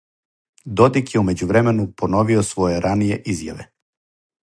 Додик је у међувремену поновио своје раније изјаве.